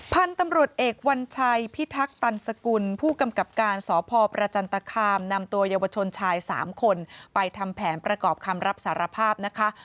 พันธุ์ตำรวจเอกวัญชัยพิทักตันสกุลผู้กำกับการสพประจันตคามนำตัวเยาวชนชาย๓คนไปทำแผนประกอบคำรับสารภาพนะคะ